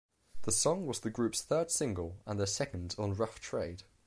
The song was the group's third single and their second on Rough Trade.